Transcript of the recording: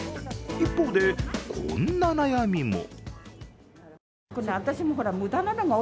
一方で、こんな悩みも。